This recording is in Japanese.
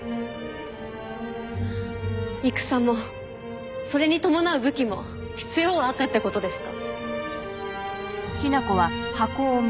戦もそれに伴う武器も必要悪って事ですか？